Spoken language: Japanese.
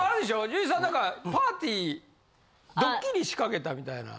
純一さんなんかパーティーどっきり仕掛けたみたいな。